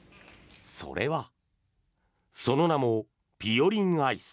それはその名もぴよりんアイス。